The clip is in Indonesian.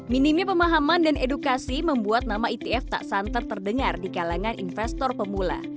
minimnya pemahaman dan edukasi membuat nama etf tak santer terdengar di kalangan investor pemula